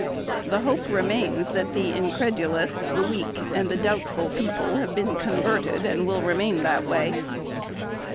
The hope remains that the incredulous, the weak, and the doubtful people have been converted and will remain that way."